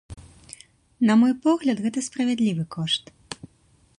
На мой погляд, гэта справядлівы кошт.